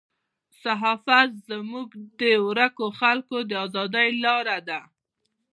صحافت زموږ د ورکو خلکو د ازادۍ لاره ده.